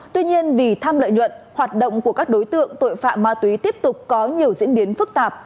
tuy nhiên vì tham lợi nhuận hoạt động của các đối tượng tội phạm ma túy tiếp tục có nhiều diễn biến phức tạp